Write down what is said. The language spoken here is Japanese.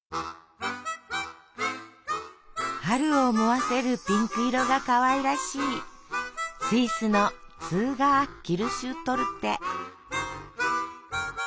春を思わせるピンク色がかわいらしいスイスのツーガー・キルシュトルテ。